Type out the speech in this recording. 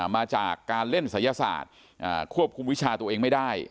มาจากการเล่นศัยศาสตร์ควบคุมวิชาตัวเองไม่ได้